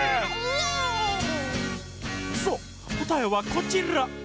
そうこたえはこちら。